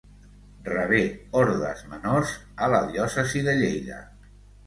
Rebé ordes menors a la diòcesi de Lleida.